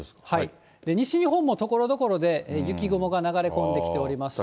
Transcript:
西日本もところどころで雪雲が流れ込んできておりまして。